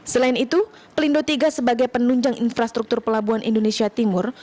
selain itu pelindo tiga sebagai penunjang infrastruktur pelabuhan indonesia timur